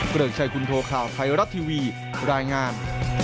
เกริ่งใจคุณโทษคลาวไทยรัตรีวีรายงาน